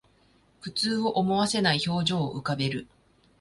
苦痛を思わせない表情を浮かべる